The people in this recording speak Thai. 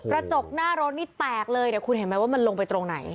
กระจกหน้ารถนี่แตกเลยเดี๋ยวคุณเห็นไหมว่ามันลงไปตรงไหน